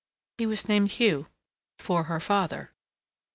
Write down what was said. He was named Hugh, for her father.